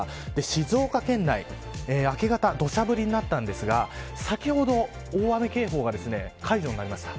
静岡県内、明け方土砂降りになったんですが先ほど大雨警報が解除になりました。